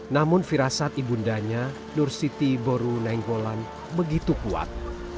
namun firasat ibundanya nursiti boru nenggolan begitu kuat